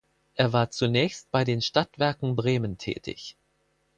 Er war zunächst bei den Stadtwerken Bremen tätig.